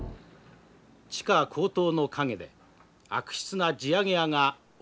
「地価高騰の陰で悪質な地上げ屋が横行しました」。